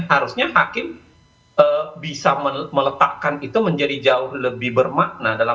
harusnya hakim bisa meletakkan itu menjadi jauh lebih bermakna